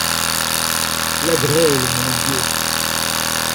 La grêle, mon Dieu!...